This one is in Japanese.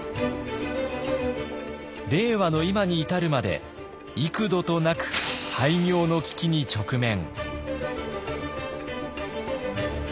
令和の今に至るまで幾度となく廃業の危機に直面。